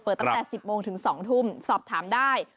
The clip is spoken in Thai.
ตั้งแต่๑๐โมงถึง๒ทุ่มสอบถามได้